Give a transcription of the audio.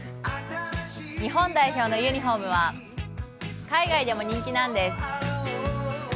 日本代表のユニフォームは海外でも人気なんです。